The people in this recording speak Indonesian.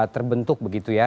terbentuk begitu ya